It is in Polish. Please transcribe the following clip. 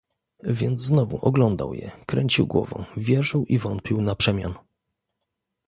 "Więc znowu oglądał je, kręcił głową, wierzył i wątpił naprzemian."